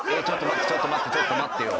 「ちょっと待ってちょっと待ってよ」